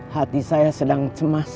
hati saya sedang cemas